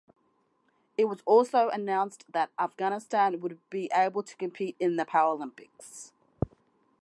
It was also announced that Afghanistan would be able to compete in the Paralympics.